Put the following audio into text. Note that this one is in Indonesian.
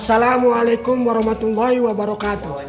asalamualaikum warahmatullahi wabarakatuh